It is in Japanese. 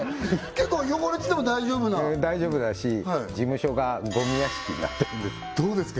結構汚れてても大丈夫な大丈夫だし事務所がゴミ屋敷になってるんですどうですか？